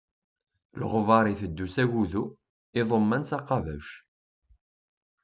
Leɣbaṛ iteddu s agudu, iḍuman s aqabuc.